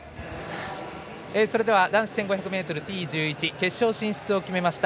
それでは、男子１５００ｍＴ１１、決勝進出を決めました。